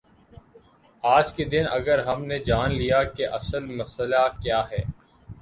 آج کے دن اگر ہم نے جان لیا کہ اصل مسئلہ کیا ہے۔